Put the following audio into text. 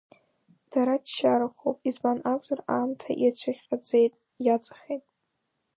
Дара ччархәуп, избан акәзар, аамҭа иацәыхҟьаӡеит, иаҵахеит.